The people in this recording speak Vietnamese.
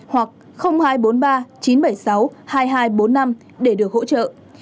hoặc hai trăm bốn mươi ba chín trăm bảy mươi sáu hai nghìn hai trăm bốn mươi năm để được hỗ trợ